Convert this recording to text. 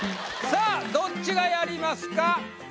さあどっちがやりますか？